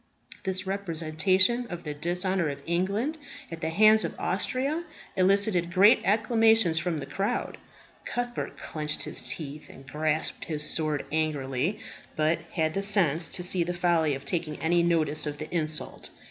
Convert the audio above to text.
This representation of the dishonour of England at the hands of Austria elicited great acclamations from the crowd. Cuthbert clenched his teeth and grasped his sword angrily, but had the sense to see the folly of taking any notice of the insult.